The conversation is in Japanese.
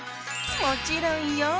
もちろんよ。